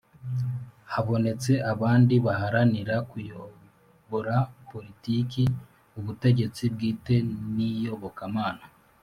habonetse abandi baharanira kuyobora politiki, ubutegetsi bwite n'iyobokamana